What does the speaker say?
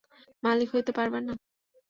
মালিক হইতে পারবা না!